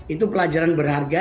itu pelajaran berharga